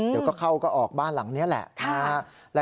เดี๋ยวก็เข้าก็ออกบ้านหลังนี้แหละ